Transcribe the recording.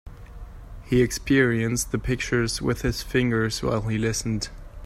He experienced the pictures with his fingers while he listened.